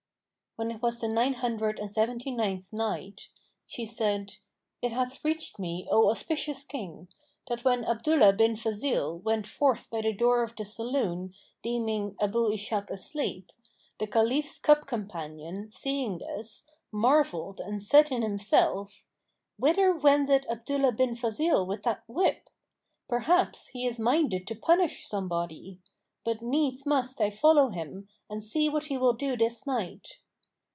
When it was the Nine Hundred and Seventy ninth Night, She said, It hath reached me, O auspicious King, that when Abdullah bin Fazil went forth by the door of the saloon deeming Abu Ishak asleep, the Caliph's cup companion, seeing this, marvelled and said in himself, "Whither wendeth Abdullah bin Fazil with that whip? Perhaps he is minded to punish some body. But needs must I follow him and see what he will do this night."